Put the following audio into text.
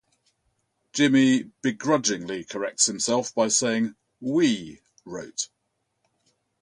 Jimmy begrudgingly corrects himself by saying, "We" wrote.